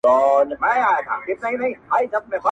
ستا څخه چي ياره روانـــــــــــېــږمه